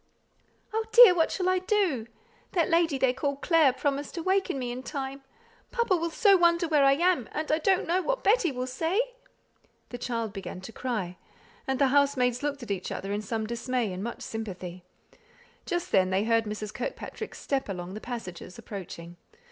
"Oh, dear, what shall I do? That lady they call Clare promised to waken me in time. Papa will so wonder where I am, and I don't know what Betty will say." The child began to cry, and the housemaids looked at each other in some dismay and much sympathy. Just then, they heard Mrs. Kirkpatrick's step along the passages, approaching.